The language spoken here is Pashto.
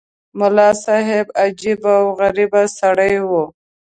ملا صاحب عجیب او غریب سړی وو.